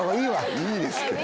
いいですって。